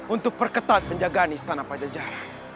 untuk perketat penjagaan istana pajajar